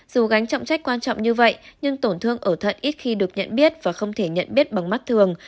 dù gánh trọng trách quan trọng như vậy nhưng tổn thương ở thận ít khi được nhận biết và không thể nhận biết bằng mắt thường